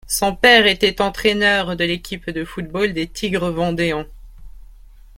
Son père était entraîneur de l’équipe de football des Tigres vendéens.